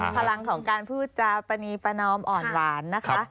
พลังของการพูดจาปณีประนอมอ่อนหวานนะคะ